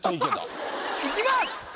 いきます！